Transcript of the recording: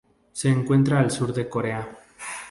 Se encuentra al sur de Corea.